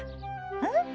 うん？